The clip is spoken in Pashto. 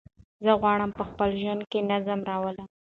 زه غواړم په خپل ژوند کې نظم راولم.